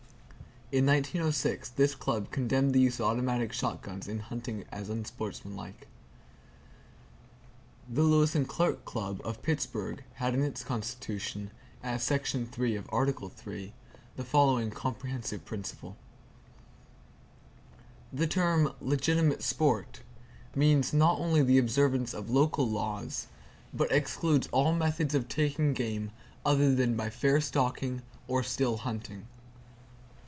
In 1906, this Club condemned the use of automatic shotguns in hunting as unsportsmanlike. The Lewis and Clark Club, of Pittsburgh, has in its constitution, as Section 3 of Article 3, the following comprehensive principle: "The term 'legitimate sport' means not only the observance of local laws, but excludes all methods of taking game other than by fair stalking or still hunting."